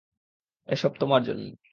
এসব তোমার জন্য।